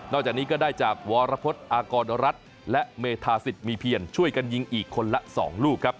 จากนี้ก็ได้จากวรพฤษอากรรัฐและเมธาสิทธิมีเพียรช่วยกันยิงอีกคนละ๒ลูกครับ